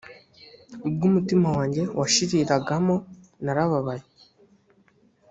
ubwo umutima wanjye washiriragamo narababaye .